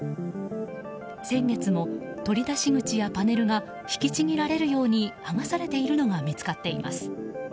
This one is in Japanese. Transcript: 先月も、取り出し口やパネルが引きちぎられるように剥がされているのが見つかっています。